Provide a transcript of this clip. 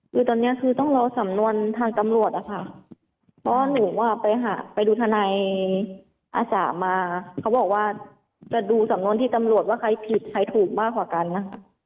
คือตอนนี้คือต้องรอสำนวนทางตำรวจนะคะเพราะว่าหนูอ่ะไปหาไปดูทนายอาสามาเขาบอกว่าจะดูสำนวนที่ตำรวจว่าใครผิดใครถูกมากกว่ากันนะคะ